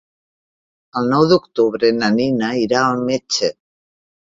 El nou d'octubre na Nina irà al metge.